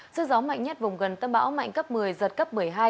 sức gió mạnh nhất vùng gần tâm bão mạnh cấp một mươi giật cấp một mươi hai